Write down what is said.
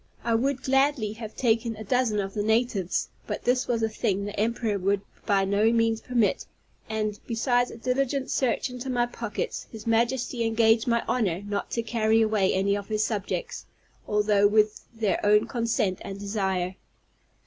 I would gladly have taken a dozen of the natives, but this was a thing the emperor would by no means permit; and, besides a diligent search into my pockets, his Majesty engaged my honor not to carry away any of his subjects, although with their own consent and desire.